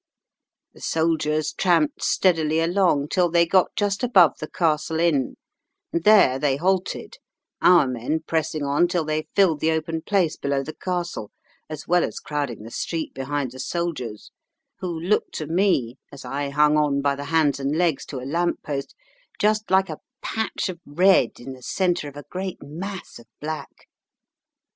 The soldiers tramped steadily along till they got just above the Castle Inn, and there they halted, our men pressing on till they filled the open place below the Castle, as well as crowding the street behind the soldiers, who looked to me, as I hung on by the hands and legs to a lamp post, just like a patch of red in the centre of a great mass of black.